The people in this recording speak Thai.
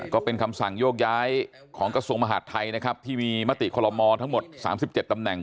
ก็เป็นคำสั่งโยกย้ายของกระทรวงมหาดไทยนะครับที่มีมติคอลโมทั้งหมด๓๗ตำแหน่ง